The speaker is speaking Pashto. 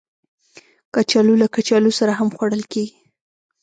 کچالو له کچالو سره هم خوړل کېږي